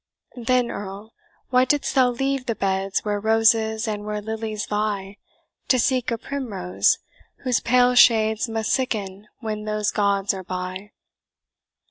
"Then, Earl, why didst thou leave the beds Where roses and where lilies vie, To seek a primrose, whose pale shades Must sicken when those gauds are by?